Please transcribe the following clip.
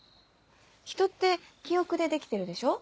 人って記憶で出来てるでしょう？